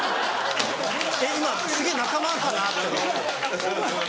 今すげぇ仲間かなと思って。